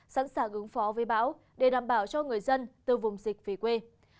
sẵn sàng ứng phó với bão để đảm bảo cho người dân từ vùng dịch về quê